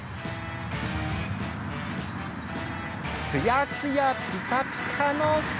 つやつやのピカピカの柿